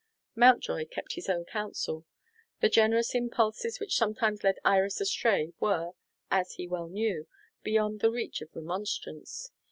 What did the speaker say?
Mountjoy kept his own counsel. The generous impulses which sometimes led Iris astray were, as he well knew, beyond the reach of remonstrance.